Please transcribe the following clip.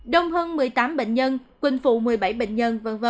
đông hơn một mươi tám bệnh nhân quỳnh phụ một mươi bảy bệnh nhân v v